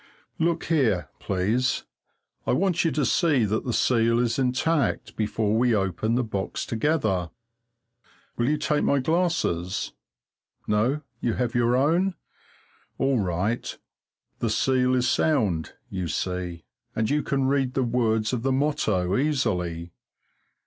Look here, please. I want you to see that the seal is intact before we open the box together. Will you take my glasses? No, you have your own. All right. The seal is sound, you see, and you can read the words of the motto easily.